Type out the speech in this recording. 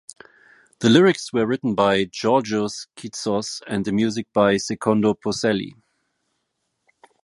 The lyrics were written by Georgios Kitsos and the music by Secondo Poselli.